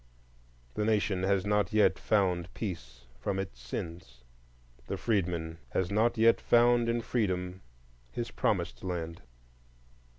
The Nation has not yet found peace from its sins; the freedman has not yet found in freedom his promised land.